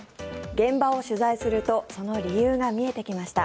現場を取材するとその理由が見えてきました。